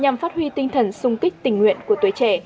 nhằm phát huy tinh thần sung kích tình nguyện của tuổi trẻ